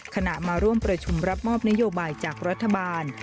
มาร่วมประชุมรับมอบนโยบายจากรัฐบาล